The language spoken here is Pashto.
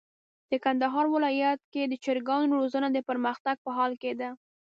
د کندهار ولايت کي د چرګانو روزنه د پرمختګ په حال کي ده.